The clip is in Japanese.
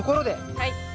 はい。